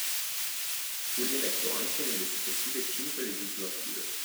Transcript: Fu rieletto anche nelle successive cinque legislature.